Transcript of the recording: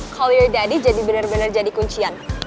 call your daddy jadi bener bener jadi kuncian